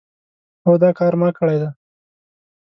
هو دا کار ما کړی دی.